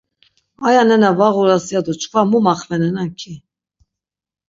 Aya nena va ğuras yado çkva mu maxvenenan ki?